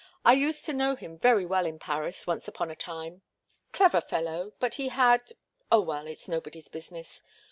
I used to know him very well in Paris once upon a time. Clever fellow, but he had oh, well, it's nobody's business.